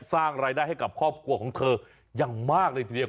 สร้างรายได้ให้กับครอบครัวของเธออย่างมากเลยทีเดียว